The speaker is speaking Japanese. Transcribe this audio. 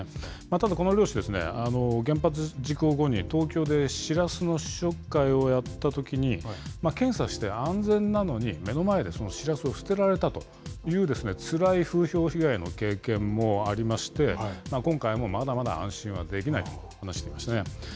ただこの漁師ですね、原発事故後に東京でシラスの試食会をやったときに、検査して安全なのに、目の前でそのシラスを捨てられたというつらい風評被害の経験もありまして、今回もまだまだ安心はできないと話していましたね。